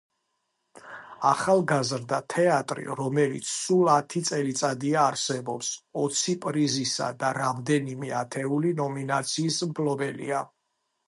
ახალგაზრდა თეატრი, რომელიც სულ ათი წელიწადია არსებობს, ოცი პრიზისა და რამდენიმე ათეული ნომინაციის მფლობელია.